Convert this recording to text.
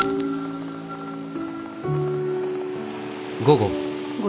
午後。